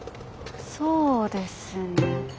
そうですね